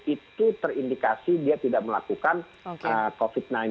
dua ratus satu itu terindikasi dia tidak melakukan covid sembilan belas